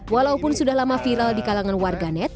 walaupun sudah lama viral di kalangan warganet